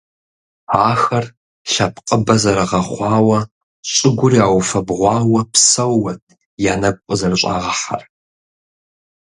Ахэр лъэпкъыбэ зэрыгъэхъуауэ, щӀыгур яуфэбгъуауэ псэууэт я нэгу къызэрыщӀагъэхьэр.